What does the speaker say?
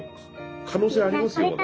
可能性ありますよまだ。